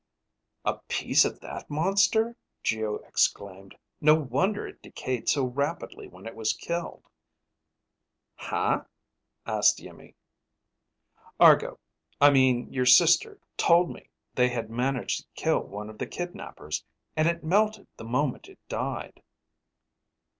"A piece of that monster?" Geo exclaimed. "No wonder it decayed so rapidly when it was killed." "Huh?" asked Iimmi. "Argo, I mean your sister, told me they had managed to kill one of the kidnapers, and it melted the moment it died."